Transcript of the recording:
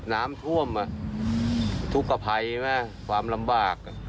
ที่น้ำถ้วบระชวงไฟความลำบาก